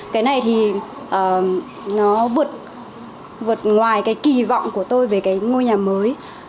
cái này thì nó vượt ngoài cái kỳ vọng của tôi về cái ngôi nhà mới